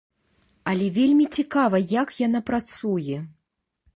Але вельмі цікава, як яна працуе.